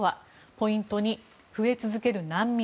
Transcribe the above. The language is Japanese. ポイント２、増え続ける難民。